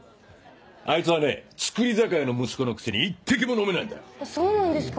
あいつはね造り酒屋の息子のくせに一滴も飲めないんだよ。